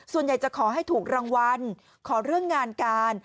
ส่วนใหญ่จะขอให้ถูกรางวัลขอเรื่องงานการ